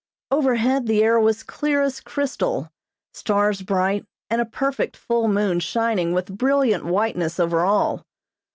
Overhead the air was clear as crystal, stars bright, and a perfect full moon shining with brilliant whiteness over all.